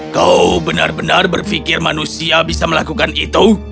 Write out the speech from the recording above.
kau benar benar berpikir manusia bisa melakukan itu